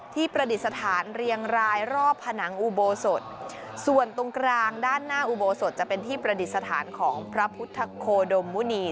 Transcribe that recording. ประดิษฐานเรียงรายรอบผนังอุโบสถส่วนตรงกลางด้านหน้าอุโบสถจะเป็นที่ประดิษฐานของพระพุทธโคดมมุณี